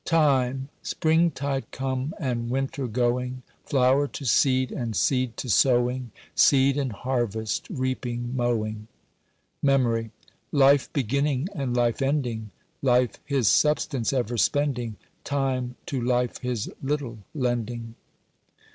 TIME. Spring tide come and winter going; Flower to seed, and seed to sowing; Seed and harvest, reaping, mowing. MEMORY. Life beginning, and life ending; Life his substance ever spending; Time to life his little lending.